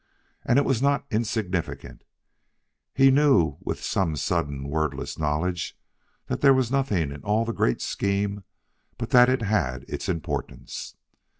And it was not insignificant; he knew with some sudden wordless knowledge that there was nothing in all the great scheme but that it had its importance.